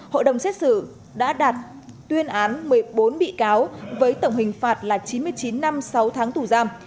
hội đồng xét xử đã tuyên án một mươi bốn bị cáo với tổng hình phạt là chín mươi chín năm sáu tháng tù giam